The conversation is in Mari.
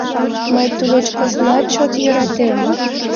— Мый тулеч поснат чот йӧратем.